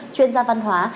chuyên gia văn hóa